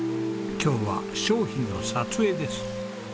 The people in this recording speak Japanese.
今日は商品の撮影です。